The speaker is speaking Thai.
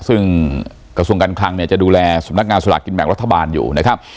ซึ่งกระทรวงการคลังเนี่ยจะดูแลสำนักงานสลากกินแบ่งรัฐบาลอยู่นะครับ